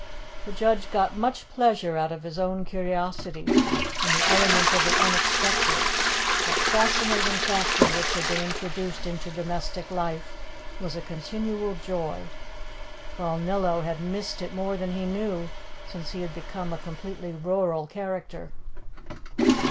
The judge got much pleasure out of his own curiosity; and the element of the unexpected that fascinating factor which had been introduced into domestic life was a continual joy. Balnillo had missed it more than he knew since he had become a completely rural character.